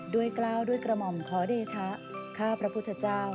กล้าวด้วยกระหม่อมขอเดชะข้าพระพุทธเจ้า